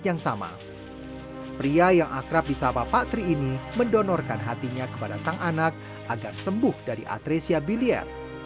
yang sama pria yang akrab di sapa pak tri ini mendonorkan hatinya kepada sang anak agar sembuh dari atresia biliar